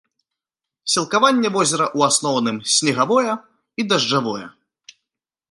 Сілкаванне возера ў асноўным снегавое і дажджавое.